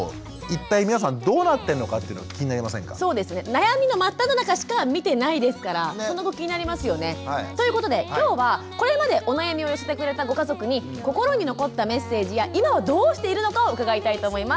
悩みの真っただ中しか見てないですからその後気になりますよね。ということで今日はこれまでお悩みを寄せてくれたご家族に心に残ったメッセージや今はどうしているのかを伺いたいと思います。